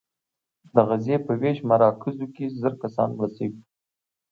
د غزې په ویش مراکزو کې زر کسان مړه شوي.